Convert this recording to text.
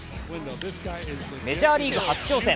メジャーリーグ初挑戦。